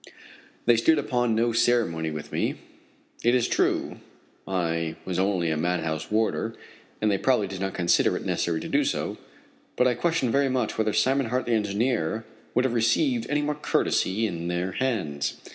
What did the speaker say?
They stood upon no ceremony with me. It is true I was only a madhouse warder, and they probably did not consider it necessary to do so; but I question very much whether Simon Hart, the engineer, would have received any more courtesy at their hands.